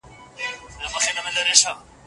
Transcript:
که استاد د زده کوونکو قدر وکړي.